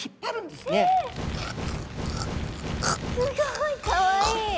すごいかわいい！